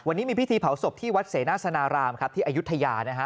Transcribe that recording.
วันนี้มีพิธีเผาศพที่วัดเสนาสนารามครับที่อายุทยานะฮะ